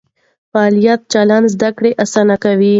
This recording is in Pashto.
فعال چلند زده کړه اسانه کوي.